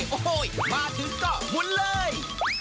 โอ้โหมาถึงก็หมุนเลย